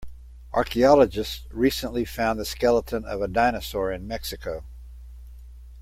Archaeologists recently found the skeleton of a dinosaur in Mexico.